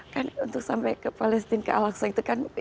kan untuk sampai ke palestine ke al aqsa itu kan